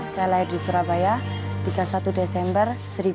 saya lahir di surabaya tiga puluh satu desember seribu sembilan ratus empat puluh